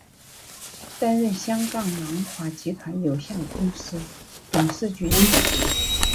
担任香港南华集团有限公司董事局主席。